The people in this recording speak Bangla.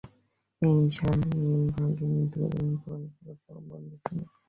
এই শ্যালী-ভাগিনীপতি দুটি পরস্পরের পরম বন্ধু ছিল।